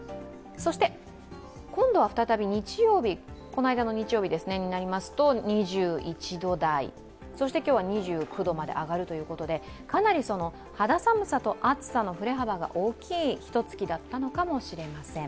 そして、今度は再び、この間の日曜日になりますと２１度台、そして今日は２９度まで上がるということでかなり肌寒さと暑さの振れ幅が大きい、ひとつきだったのかもしれません。